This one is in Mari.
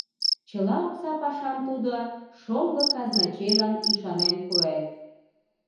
Чыла окса пашам тудо шоҥго казначейлан ӱшанен пуэн.